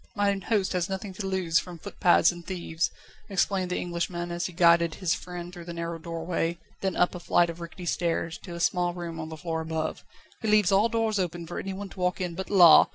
"Mine host has nothing to lose from footpads and thieves," explained the Englishman as he guided his friend through the narrow doorway, then up a flight of rickety stairs, to a small room on the floor above. "He leaves all doors open for anyone to walk in, but, la!